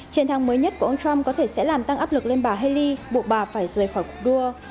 trên tháng mới nhất của ông trump có thể sẽ làm tăng áp lực lên bà haley bộ bà phải rời khỏi cuộc đua